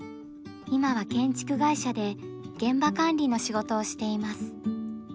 今は建築会社で現場管理の仕事をしています。